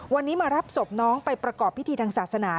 วันนี้มารับศพน้องไปประกอบพิธีทางศาสนา